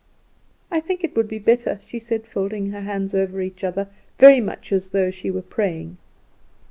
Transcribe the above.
"I think it would be better," she said, folding her hands over each other, very much as though she were praying.